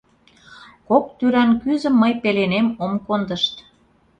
Кок тӱран кӱзым мый пеленем ом кондышт.